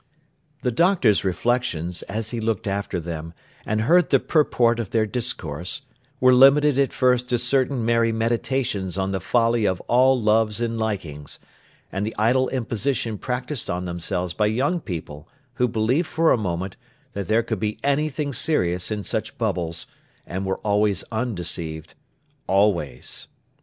The Doctor's reflections, as he looked after them, and heard the purport of their discourse, were limited at first to certain merry meditations on the folly of all loves and likings, and the idle imposition practised on themselves by young people, who believed for a moment, that there could be anything serious in such bubbles, and were always undeceived—always!